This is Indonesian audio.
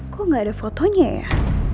kok gak ada fotonya ya